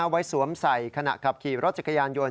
สวมใส่ขณะขับขี่รถจักรยานยนต